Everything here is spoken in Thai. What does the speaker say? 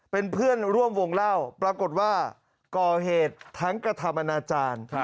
เป็นเพื่อนร่วมวงเล่าปรากฏว่าก่อเหตุทั้งกระทำอนาจารย์